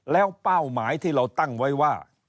แล้วเป้าหมายที่เราตั้งไว้ว่า